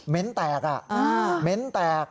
เม้นต์แตกอ่ะเม้นต์แตก